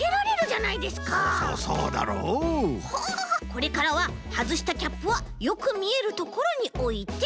これからははずしたキャップはよくみえるところにおいて。